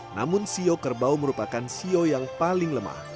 namun siok kerbau merupakan sio yang paling lemah